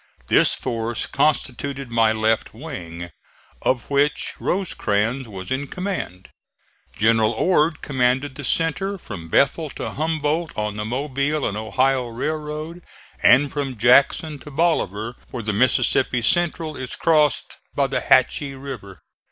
This force constituted my left wing, of which Rosecrans was in command. General Ord commanded the centre, from Bethel to Humboldt on the Mobile and Ohio railroad and from Jackson to Bolivar where the Mississippi Central is crossed by the Hatchie River.